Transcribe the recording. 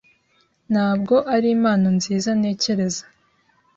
Ntabwo ari impano nziza ntekereza